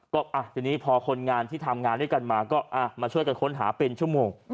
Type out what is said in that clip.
ก็ทีนี้พอคนงานที่ทำงานด้วยกันมาก็มาช่วยกันค้นหาเป็นชั่วโมง